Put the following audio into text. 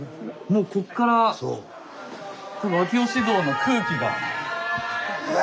もうこっからこの秋芳洞の空気が。